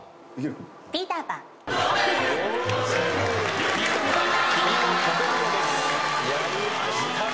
『ピーター・パン』やりましたね。